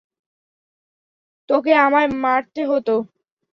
তোকে আমায় মারতে হতো!